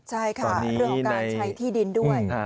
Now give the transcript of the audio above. ใช่ค่ะเรื่องของการใช้ที่ดินด้วย